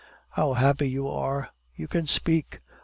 "How happy you are you can speak!"